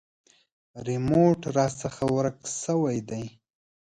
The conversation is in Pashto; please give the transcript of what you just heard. ریموټ راڅخه ورک شوی دی .